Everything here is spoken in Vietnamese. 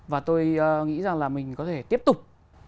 và tôi nghĩ rằng là mình có thể tiếp tục